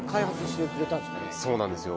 そうなんですよ